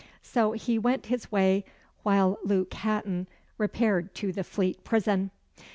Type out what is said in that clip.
So he went his way, while Luke Hatton repaired to the Fleet Prison.